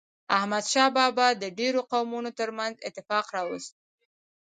احمد شاه بابا د ډیرو قومونو ترمنځ اتفاق راوست.